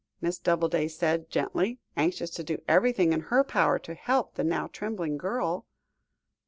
Miss Doubleday said gently, anxious to do everything in her power to help the now trembling girl.